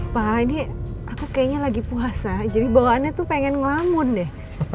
pak ini aku kayaknya lagi puasa jadi bawaannya tuh pengen ngelamun deh